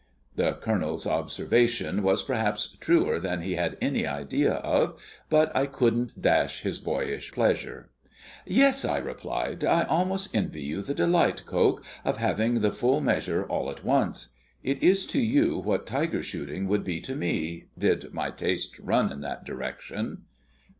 The Colonel's observation was perhaps truer than he had any idea of; but I couldn't dash his boyish pleasure. "Yes," I replied. "I almost envy you the delight, Coke, of having the full measure all at once. It is to you what tiger shooting would be to me, did my tastes run in that direction."